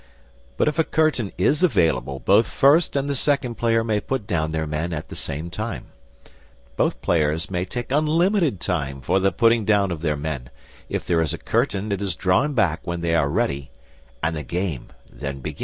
But if a curtain is available both first and second player may put down their men at the same time. Both players may take unlimited time for the putting down of their men; if there is a curtain it is drawn back when they are ready, and the game then begins.